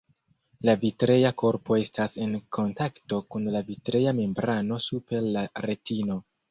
La vitrea korpo estas en kontakto kun la vitrea membrano super la retino.